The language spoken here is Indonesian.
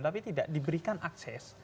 tapi tidak diberikan akses